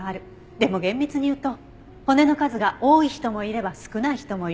でも厳密に言うと骨の数が多い人もいれば少ない人もいる。